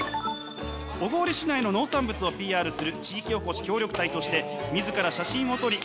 小郡市内の農産物をＰＲする地域おこし協力隊として自ら写真を撮り